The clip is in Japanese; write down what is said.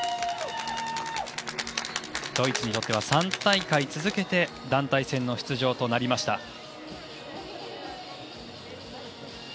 ドイツにとって３大会続けて団体戦の出場となりました。